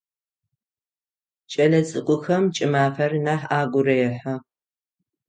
Кӏэлэцӏыкӏухэм кӏымафэр нахь агу рехьы.